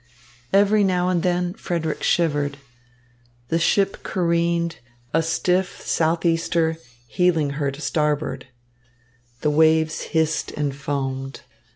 Every now and then Frederick shivered. The ship careened, a stiff southeaster heeling her to starboard. The waves hissed and foamed.